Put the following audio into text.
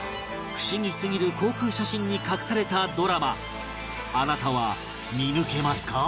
不思議すぎる航空写真に隠されたドラマあなたは見抜けますか？